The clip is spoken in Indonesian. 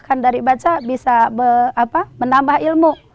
kan dari baca bisa menambah ilmu